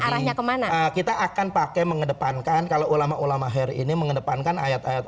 arahnya kemana kita akan pakai mengedepankan kalau ulama ulama hari ini mengedepankan ayat ayat